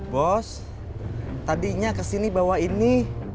bos tadinya kesini bawa ini